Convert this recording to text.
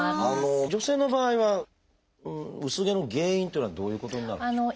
女性の場合は薄毛の原因っていうのはどういうことになるんでしょう？